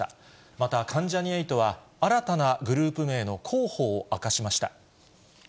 また、関ジャニ∞は、新たなグループ名の候補を明かしました。